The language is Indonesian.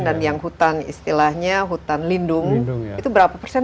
dan yang hutan istilahnya hutan lindung itu berapa persen